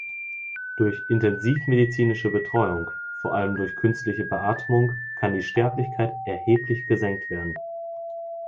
Durch intensivmedizinische Betreuung, vor allem durch künstliche Beatmung, kann die Sterblichkeit erheblich gesenkt werden.